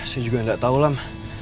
sa juga gak tau lam